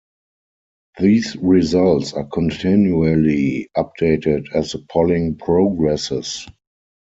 These results are continually updated as the polling progresses.